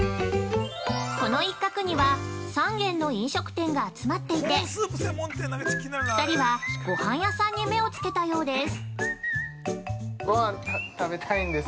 ◆この一角には３軒の飲食店が集まっていて２人はごはん屋さんに目をつけたようです。